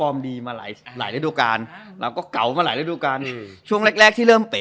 มาหลายฤดูกาลเราก็เกาะมาหลายฤดูกาลช่วงแรกที่เริ่มเป๋